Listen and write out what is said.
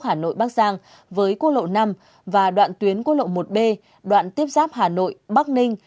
hà nội bắc giang với quốc lộ năm và đoạn tuyến quốc lộ một b đoạn tiếp giáp hà nội bắc ninh